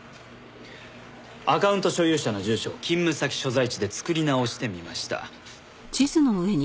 アカウント所有者の住所を勤務先所在地で作り直してみました。